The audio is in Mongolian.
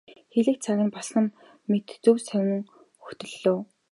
Хэлэх цаг нь болсон мэт зөн совин хөтөллөө.